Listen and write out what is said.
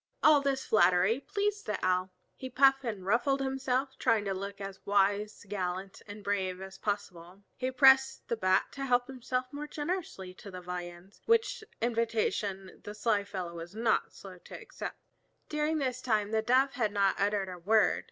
All this flattery pleased the Owl. He puffed and ruffled himself, trying to look as wise, gallant, and brave as possible. He pressed the Bat to help himself more generously to the viands, which invitation the sly fellow was not slow to accept. During this time the Dove had not uttered a word.